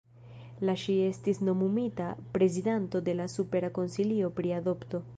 La ŝi estis nomumita prezidanto de la Supera Konsilio pri Adopto.